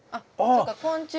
あっそうか